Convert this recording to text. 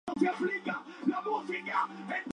Sin embargo, no es capaz de matar al niño.